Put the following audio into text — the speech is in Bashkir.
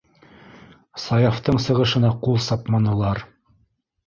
Саяфтың сығышына ҡул сапманылар.